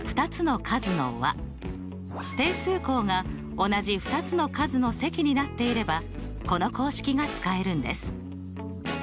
定数項が同じ２つの数の積になっていればこの公式が使えるんです。